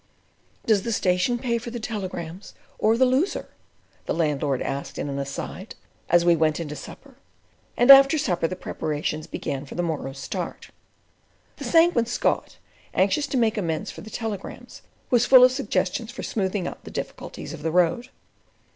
"Does the station pay for the telegrams, or the loser?" the landlord asked in an aside, as we went in to supper and after supper the preparations began for the morrow's start. The Sanguine Scot, anxious to make amends for the telegrams, was full of suggestions for smoothing out the difficulties of the road.